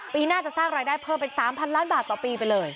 ปีหน้าจะสร้างรายได้เพิ่มเป็น๓๐๐ล้านบาทต่อปีไปเลย